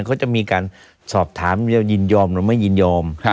เขาจะมีการสอบถามจะยินยอมหรือไม่ยินยอม